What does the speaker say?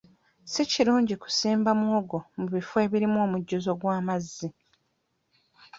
Si kirungi kusimba muwogo mu bifo ebirimu omujjuzo gw'amazzi.